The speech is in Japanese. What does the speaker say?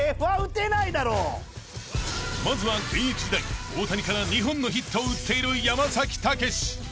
［まずは現役時代大谷から２本のヒットを打っている山武司］